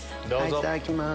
いただきます。